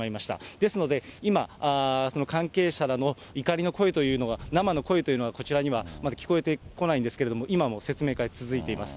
ですので、今、関係者らの怒りの声というのは、生の声というのは、こちらにはまだ聞こえてこないんですけれども、今も説明会、続いています。